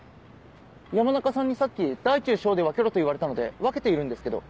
山中さんにさっき大中小で分けろと言われたので分けているんですけど。